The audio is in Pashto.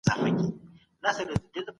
او کله چې لاره ومومئ نورو ته یې هم وښایئ.